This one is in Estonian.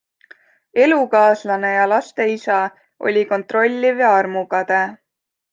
Elukaaslane ja laste isa oli kontrolliv ja armukade.